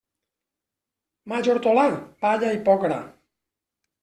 Maig hortolà, palla i poc gra.